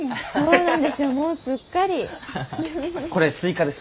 うん。